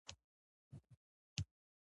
دوکاندار په خیراتو کې برخه اخلي.